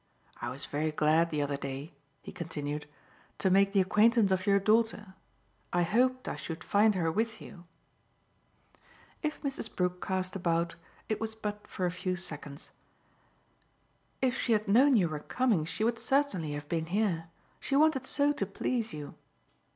I was very glad the other day," he continued, "to make the acquaintance of your daughter. I hoped I should find her with you." If Mrs. Brook cast about it was but for a few seconds. "If she had known you were coming she would certainly have been here. She wanted so to please you."